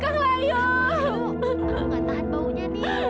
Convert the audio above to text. kau tidak menahan baunya